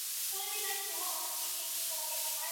Kufundisha mwanamuke ni kufundisha inchi yote